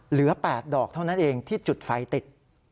เหลือ๘ดอกเท่านั้นเองที่จุดไฟติด